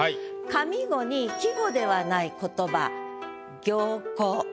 上五に季語ではない言葉「暁光」。